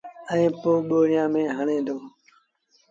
ائيٚݩ پو ٻوريآݩ ميݩ هڻي دو